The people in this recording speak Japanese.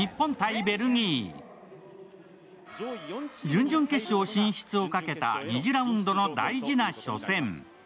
準々決勝進出をかけた２次ラウンドの大事な初戦。